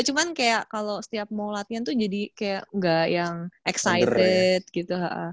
cuman kayak kalau setiap mau latihan tuh jadi kayak gak yang excited gitu